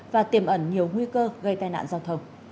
và tiềm ẩn nhiều nguy cơ gây tai nạn giao thông